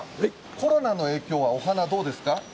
コロナの影響でお花、どうですか？